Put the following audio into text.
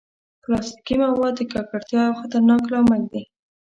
پلاستيکي مواد د ککړتیا یو خطرناک لامل دي.